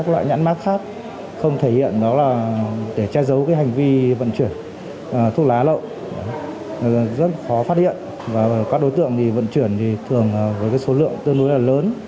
rất khó phát hiện và các đối tượng vận chuyển thường với số lượng tương đối lớn